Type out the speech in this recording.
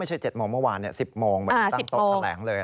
ไม่ใช่๗โมงเมื่อวาน๑๐โมงตั้งตรงแถลงเลย